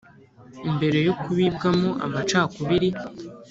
mbere yo kubibwamo amacakubiri,